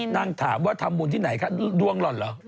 นั่งถามว่าทำบุญที่ไหนคะดวงหล่อนเหรอ